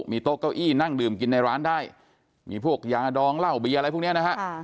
มีโต๊ะเก้าอี้นั่งดื่มกินในร้านได้มีพวกยาดองเหล้าเบียร์อะไรพวกนี้นะฮะ